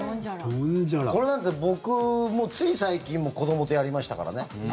これなんて僕、つい最近も子どもとやりましたからね。